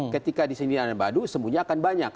ketika di sini ada madu semuanya akan banyak